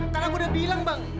kan aku udah bilang bang